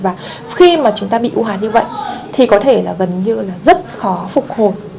và khi mà chúng ta bị ua như vậy thì có thể là gần như là rất khó phục hồi